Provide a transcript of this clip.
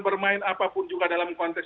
bermain apapun juga dalam konteks